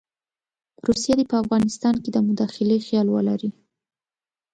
روسیه دې په افغانستان کې د مداخلې خیال ولري.